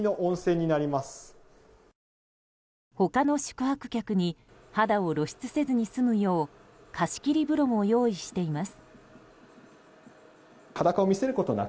他の宿泊客に肌を露出せずに済むよう貸し切り風呂も用意しています。